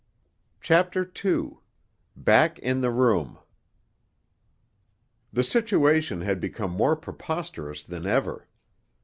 CHAPTER II BACK IN THE ROOM The situation had become more preposterous than ever.